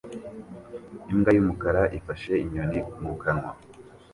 Imbwa y'umukara ifashe inyoni mu kanwa